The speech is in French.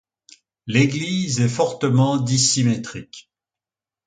L'église est fortement dissymétrique.